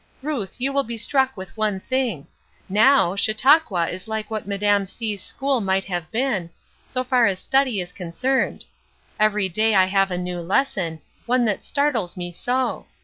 Ruth you will be struck with one thing. Now, Chautauqua is like what Madame C's school might have been, so far as study is concerned. Every day I have a new lesson, one that startles me so!